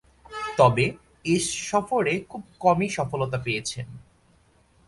তবে, এ সফরে খুব কমই সফলতা পেয়েছেন।